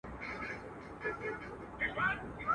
له کلونو دغه آش دغه کاسه وه.